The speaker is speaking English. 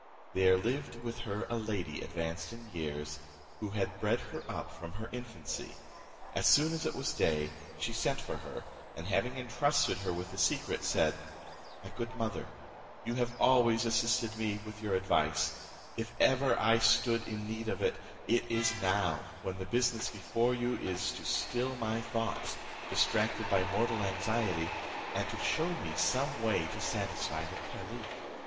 There lived with her a lady advanced in years, who had bred her up from her infancy. As soon as it was day, she sent for her, and having entrusted her with the secret, said, "My good mother, you have always assisted me with your advice; if ever I stood in need of it, it is now, when the business before you is to still my thoughts, distracted by a mortal anxiety, and to show me some way to satisfy the caliph."